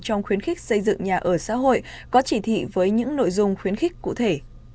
trong khuyến khích xây dựng nhà ở xã hội có chỉ thị với những nội dung khuyến khích cụ thể